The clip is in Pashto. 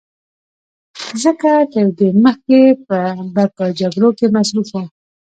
ځکه تر دې مخکې به په جګړو کې مصروف و